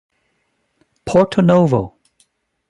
Porto Novo!